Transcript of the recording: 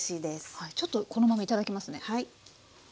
はいちょっとこのまま頂きますね。